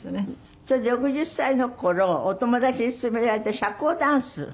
それで６０歳の頃お友達に勧められて社交ダンス。